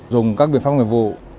dùng các biện pháp nguyện vụ